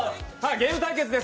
ゲーム対決です。